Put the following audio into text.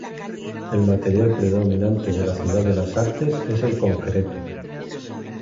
El material predominante de la Ciudad de las Artes es el concreto.